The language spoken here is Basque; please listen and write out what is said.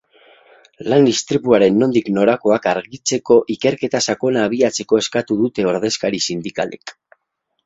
Lan-istripuaren nondik norakoak argitzeko ikerketa sakona abiatzeko eskatu dute ordezkari sindikalek.